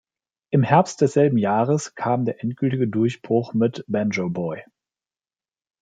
Im Herbst desselben Jahres kam der endgültige Durchbruch mit "Banjo Boy.